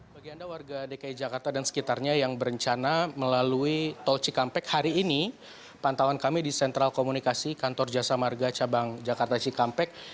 bagi anda warga dki jakarta dan sekitarnya yang berencana melalui tol cikampek hari ini pantauan kami di sentral komunikasi kantor jasa marga cabang jakarta cikampek